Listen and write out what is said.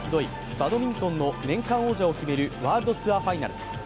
バドミントンの年間王者を決めるワールドツアーファイナルズ。